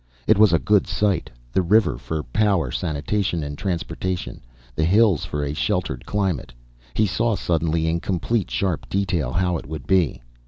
It was a good site the river for power, sanitation and transportation, the hills for a sheltered climate. He saw suddenly, in complete, sharp detail, how it would be.